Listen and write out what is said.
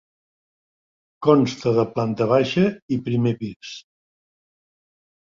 Consta de planta baixa i primes pis.